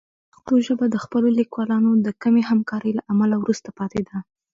پښتو ژبه د خپلو لیکوالانو د کمې همکارۍ له امله وروسته پاتې ده.